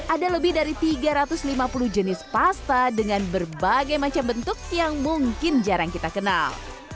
ada lebih dari tiga ratus lima puluh jenis pasta dengan berbagai macam bentuk yang mungkin jarang kita kenal